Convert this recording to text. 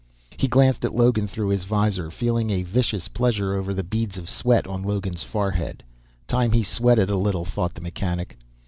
He glanced at Logan through his visor, feeling a vicious pleasure over the beads of sweat on Logan's forehead. Time he sweated a little, thought the mechanic.